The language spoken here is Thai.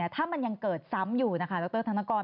ถ้ามันยังเกิดซ้ำอยู่นะคะดรธนกร